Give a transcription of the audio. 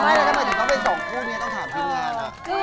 ไม่เรามันจริงต้องไปส่งคู่นี้